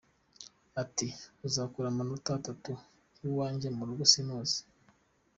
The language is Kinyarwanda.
Ati: ”Uzakura amanota atatu iwanjye mu rugo simuzi.